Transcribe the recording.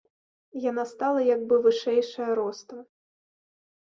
Яна стала як бы вышэйшая ростам.